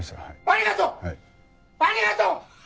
ありがとう！ありがとう！